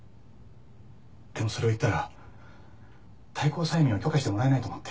「でもそれを言ったら退行催眠を許可してもらえないと思って」